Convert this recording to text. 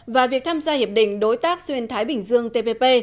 và việc tham gia hiệp định đối tác xuyên thái bình dương tpp